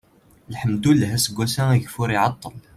lḥemdullah aseggas-a ageffur iɛeṭṭel